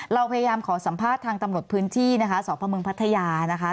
เราพยายามขอสัมภาษณ์ทางตำรวจพื้นที่นะคะสพมพัทยานะคะ